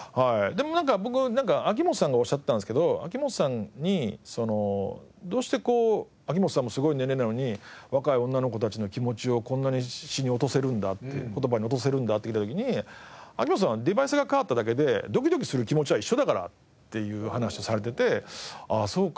でもなんか僕秋元さんがおっしゃってたんですけど秋元さんに「どうして秋元さんもすごい年齢なのに若い女の子たちの気持ちをこんなに詞に落とせるんだ」って「言葉に落とせるんだ」って聞いた時に秋元さんは「デバイスが変わっただけでドキドキする気持ちは一緒だから」っていう話をされててああそうか。